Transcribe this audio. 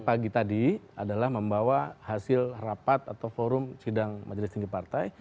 jadi ini adalah membawa hasil rapat atau forum sidang majelis tinggi partai